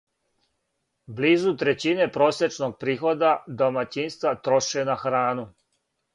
Близу трећине просечног прихода домаћинства троше на храну.